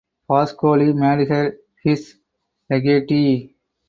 Pascoli made her his legatee.